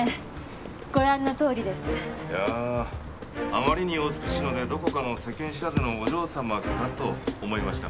いやぁあまりにお美しいのでどこかの世間知らずのお嬢様かと思いました。